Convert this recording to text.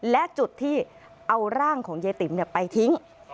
และจุดที่เอาร่างของยายติ๋มไปทิ้ง